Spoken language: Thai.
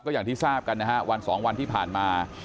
อย่างที่ทราบกันนะฮะวันสองวันที่ผ่านมา